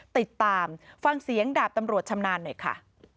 ติดตามฟังเสียงดาบตำรวจชำนาญหน่อยค่ะ